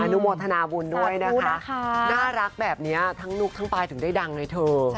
นุโมทนาบุญด้วยนะคะน่ารักแบบนี้ทั้งลูกทั้งปลายถึงได้ดังเลยเธอ